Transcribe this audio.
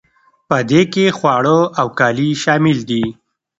په دې کې خواړه او کالي شامل دي.